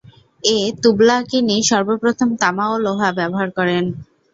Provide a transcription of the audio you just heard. এ তুবলাকীনই সর্বপ্রথম তামা ও লোহা ব্যবহার করেন।